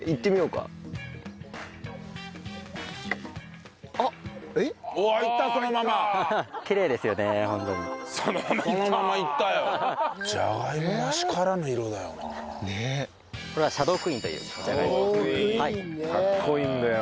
かっこいいんだよ。